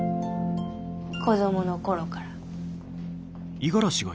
子供の頃から。